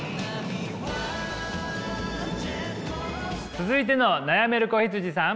続いての悩める子羊さん。